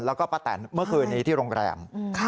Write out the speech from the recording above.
แล้วก็ป้าแตนเมื่อคืนนี้ที่โรงแรม